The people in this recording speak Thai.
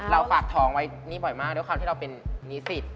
ฝากท้องไว้นี่บ่อยมากด้วยความที่เราเป็นนิสิต